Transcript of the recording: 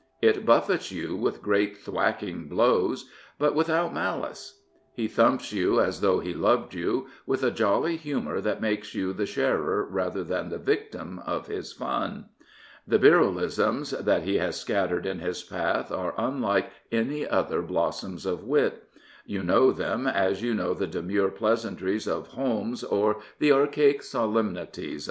It buffets you with great thwacking blows; but withouFlnalice. He thumps you as though he loved you, with a jolly humour that makes you the sharer rather than the victim of his fun. The Birrellisms that he has scat tered in his path are unlike any other|blossoms of wit. You know them as you know the demure pleasantries of Holmes or the archaic solemnities"*©!